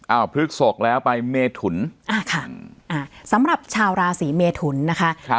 พฤกษกแล้วไปเมถุนอ่าค่ะอ่าสำหรับชาวราศีเมทุนนะคะครับ